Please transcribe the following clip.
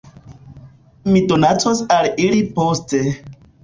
Mi donacos al ili poste